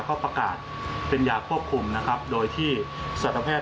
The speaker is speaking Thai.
เขาประกาศเป็นยาควบคุมนะครับโดยที่สัตวแพทย